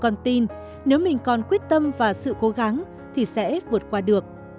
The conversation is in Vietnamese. con tin nếu mình còn quyết tâm và sự cố gắng thì sẽ vượt qua được